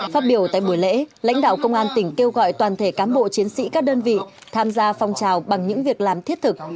phát biểu tại buổi lễ lãnh đạo công an tỉnh kêu gọi toàn thể cán bộ chiến sĩ các đơn vị tham gia phong trào bằng những việc làm thiết thực